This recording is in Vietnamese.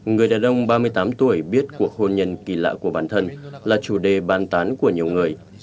người đàn ông ba mươi tám tuổi biết cuộc hôn nhân kỳ lạ của bản thân là chủ đề bàn tán của nhiều người